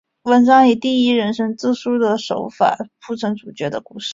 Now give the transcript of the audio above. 文章以第一人称自叙的手法铺陈主角的故事。